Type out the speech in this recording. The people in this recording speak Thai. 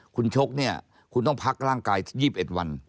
คุณชกเนี่ยคุณต้องพักร่างกาย๒๑วัน